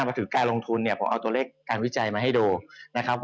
พอถึงการลงทุนเนี่ยผมเอาตัวเลขการวิจัยมาให้ดูนะครับ